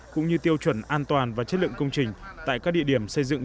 cũng như tiêu chuẩn an toàn và chất lượng công trình tại các địa điểm xây dựng